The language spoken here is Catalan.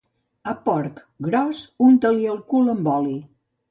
A porc gros, unta-li el cul amb oli.